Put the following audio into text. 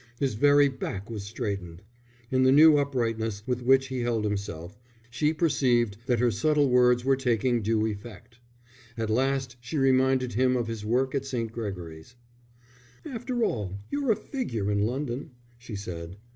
His very back was straightened. In the new uprightness with which he held himself, she perceived that her subtle words were taking due effect. At last she reminded him of his work at St. Gregory's. "After all, you're a figure in London," she said.